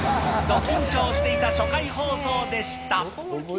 ど緊張していた初回放送でした。